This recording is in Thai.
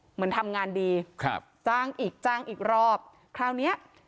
เหมือนทำงานดีครับจ้างอีกจ้างอีกรอบคราวเนี้ย